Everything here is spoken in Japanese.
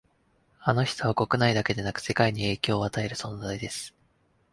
あの人は国内だけでなく世界に影響を与える存在です